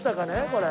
これ。